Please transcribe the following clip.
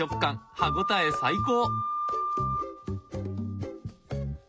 歯応え最高！